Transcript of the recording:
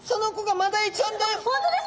マダイちゃんです！